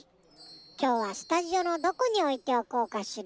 きょうはスタジオのどこにおいておこうかしら。